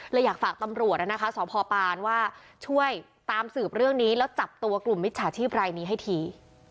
อยากฝากตำรวจนะคะสพปานว่าช่วยตามสืบเรื่องนี้แล้วจับตัวกลุ่มมิจฉาชีพรายนี้ให้ที